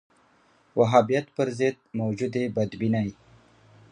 وهابیت پر ضد موجودې بدبینۍ